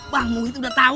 bang muhyiddin tau